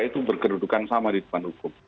itu berkedudukan sama di depan hukum